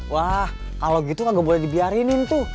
wah kalau gitu gak boleh dibiarinin tuh